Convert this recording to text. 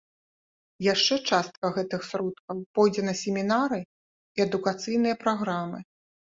Яшчэ частка гэтых сродкаў пойдзе на семінары і адукацыйныя праграмы.